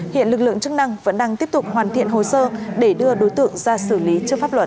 hiện lực lượng chức năng vẫn đang tiếp tục hoàn thiện hồ sơ để đưa đối tượng ra xử lý trước pháp luật